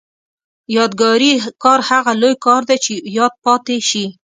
یادګاري کار هغه لوی کار دی چې یاد پاتې شي.